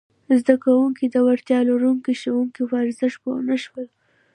زده کوونکي د وړتیا لرونکي ښوونکي پر ارزښت پوه نه شول!